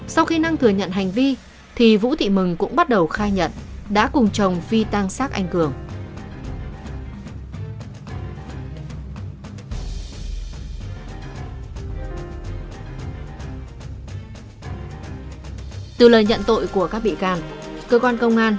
sau khi năng thừa nhận hành vi thì vũ thị mừng cũng bắt đầu khai nhận đã cùng chồng phi tang xác anh cường